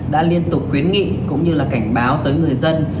đã liên tục khuyến nghị cũng như là cảnh báo tới người dân